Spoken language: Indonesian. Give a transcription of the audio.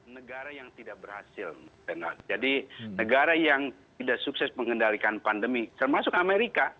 negara yang tidak berhasil jadi negara yang tidak sukses mengendalikan pandemi termasuk amerika